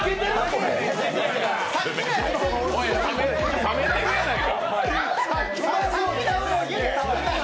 冷めてるやないか。